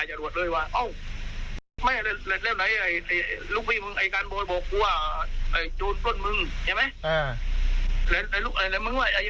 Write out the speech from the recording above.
แล้วก็เรียบไหร่จากเรื่องนี้